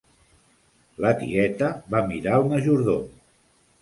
La tieta va mirar el majordom.